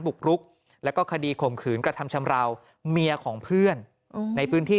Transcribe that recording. บุกรุกแล้วก็คดีข่มขืนกระทำชำราวเมียของเพื่อนในพื้นที่